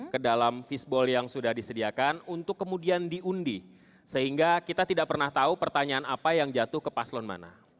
ke dalam fisball yang sudah disediakan untuk kemudian diundi sehingga kita tidak pernah tahu pertanyaan apa yang jatuh ke paslon mana